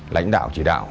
lãnh đạo chỉ đạo